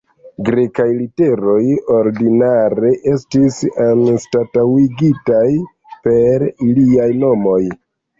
Grekaj literoj ordinare estis anstataŭigitaj per iliaj nomoj.